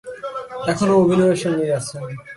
এখনো অভিনয়ের সঙ্গেই আছেন।